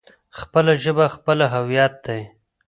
خپله ژبه خپله هويت دی.